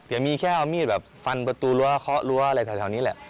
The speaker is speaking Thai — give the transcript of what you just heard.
เดี๋ยวมีแค่เอามีดแบบฟันประตูรั้วเคาะรั้วอะไรแถวนี้แหละ